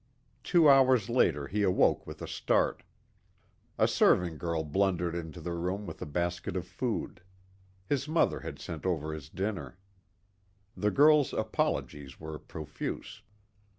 Two hours later he awoke with a start. A serving girl blundered into the room with a basket of food. His mother had sent over his dinner. The girl's apologies were profuse.